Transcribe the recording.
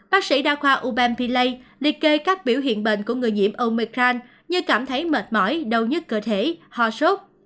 bác sĩ đa khoa ubem philae liệt kê các biểu hiện bệnh của người nhiễm omicron như cảm thấy mệt mỏi đau nhứt cơ thể hò sốt